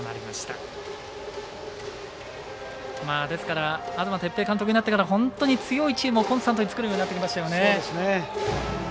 東哲平監督になってから本当に強いチームをコンスタントに作るようになってきましたよね。